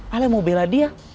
ale mau bela dia